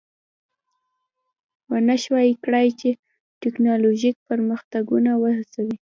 ونشوای کړای چې ټکنالوژیک پرمختګونه وهڅوي